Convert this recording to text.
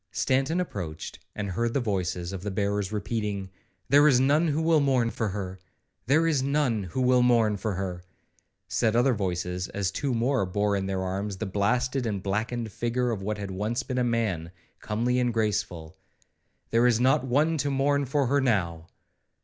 Stanton approached, and heard the voices of the bearers repeating, 'There is none who will mourn for her!' 'There is none who will mourn for her!' said other voices, as two more bore in their arms the blasted and blackened figure of what had once been a man, comely and graceful;—'there is not one to mourn for her now!'